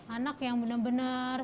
anak yang benar benar